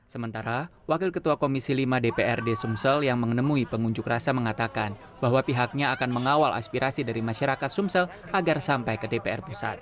sementara wakil ketua komisi lima dprd sumsel yang menemui pengunjuk rasa mengatakan bahwa pihaknya akan mengawal aspirasi dari masyarakat sumsel agar sampai ke dpr pusat